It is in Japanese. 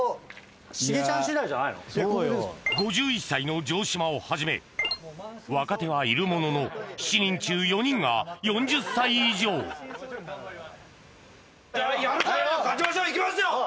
５１歳の城島をはじめ若手はいるものの７人中４人が４０歳以上行きますよ！